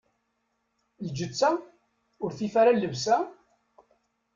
Lǧetta, ur tif ara llebsa?